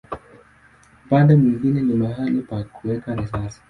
Upande mwingine ni mahali pa kuweka risasi.